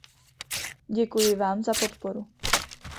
Děkuji vám za podporu.